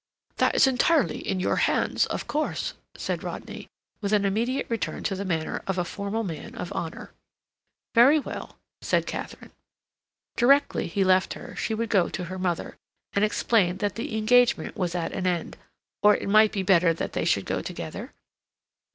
"That is entirely in your hands, of course," said Rodney, with an immediate return to the manner of a formal man of honor. "Very well," said Katharine. Directly he left her she would go to her mother, and explain that the engagement was at an end—or it might be better that they should go together?